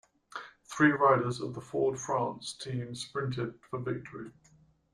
Three riders of the Ford-France team sprinted for victory.